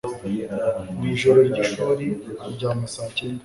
Mu ijoro ry'ishuri, aryama saa cyenda